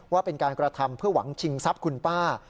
ว่าเป็นการกระทำเพื่อหวังชิงทรัพย์คุณป้า